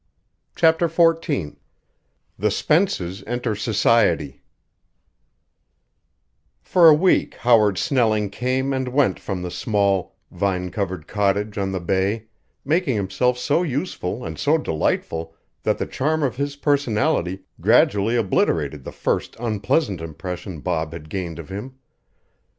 CHAPTER XIV THE SPENCES ENTER SOCIETY For a week Howard Snelling came and went from the small, vine covered cottage on the bay, making himself so useful and so delightful that the charm of his personality gradually obliterated the first unpleasant impression Bob had gained of him.